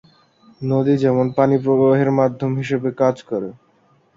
নদী যেমন পানি প্রবাহের মাধ্যম হিসেবে কাজ করে।